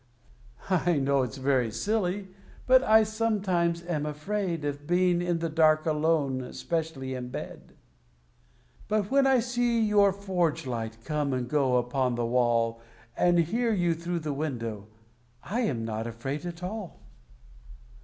I know it's very silly, but I sometimes am afraid Of being in the dark alone, especially in bed. But when I see your forge light come and go upon the wall, And hear you through the window, I am not afraid at all.